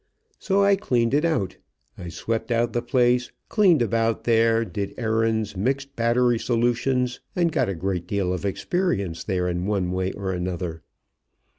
So I cleaned it out. I swept out the place, cleaned about there, did errands, mixed battery solutions, and got a great deal of experience there in one way or another.